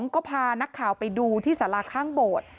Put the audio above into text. ก็พานักข่าวไปดูที่สาราข้างโบสถ์